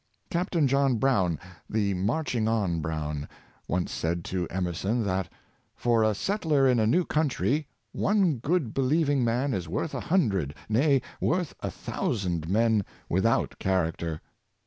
Captain John Brown, the " marching on Brown," once said to Emer son, that " for a settler in a new country, one good be lieving man is worth a hundred, nay, worth a thousand men without character."